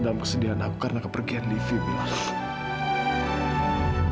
dalam kesedihan aku karena kepergian livi mila